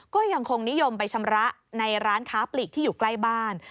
ก็ยังคงนิยมไปชำระในร้านค้าปลีกที่อยู่ใกล้บ้าน